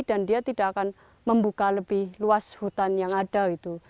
dan dia tidak akan membuka lebih luas hutan yang ada itu